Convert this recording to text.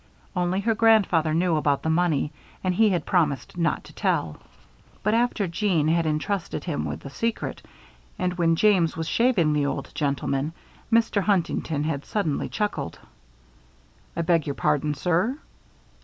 Only her grandfather knew about the money, and he had promised not to tell. But after Jeanne had intrusted him with the secret, and when James was shaving the old gentleman, Mr. Huntington had suddenly chuckled. "I beg your pardon, sir?"